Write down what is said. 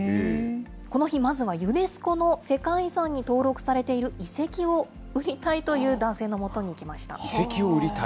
この日、まずはユネスコの世界遺産に登録されている遺跡を売りたいという遺跡を売りたい？